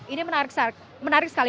ini menarik sekali